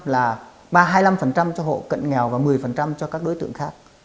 hai mươi là hai mươi năm cho hộ cận nghèo và một mươi cho các đối tượng khác